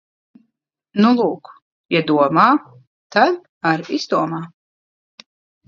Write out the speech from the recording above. Nu lūk, ja domā, tad ar’ izdomā.